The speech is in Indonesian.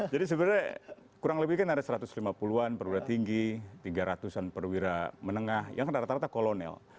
jadi sebenarnya kurang lebih kan ada satu ratus lima puluh an perwira tinggi tiga ratus an perwira menengah yang rata rata kolonel